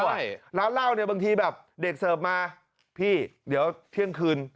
ใช่ร้านเหล้าเนี่ยบางทีแบบเด็กเสิร์ฟมาพี่เดี๋ยวเที่ยงคืน